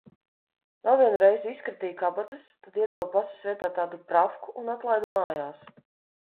Vēl vienu reizi izkratīja kabatas, tad iedeva pases vietā tādu pravku un atlaida mājās.